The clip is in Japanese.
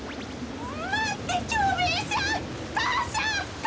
まって蝶兵衛さんかさ！かさ！